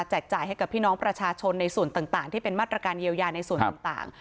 จ่ายให้กับพี่น้องประชาชนในส่วนต่างที่เป็นมาตรการเยียวยาในส่วนต่าง